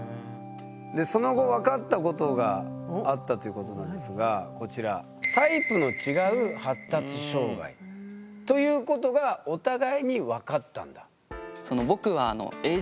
その後わかったことがあったということなんですがこちらということがお互いにわかったんだ？